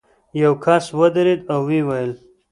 یو کس ودرېد او ویې ویل.